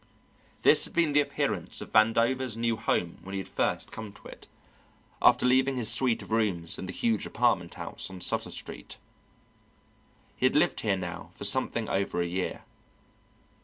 This had been the appearance of Vandover's new home when he had first come to it, after leaving his suite of rooms in the huge apartment house on Sutter Street. He had lived here now for something over a year.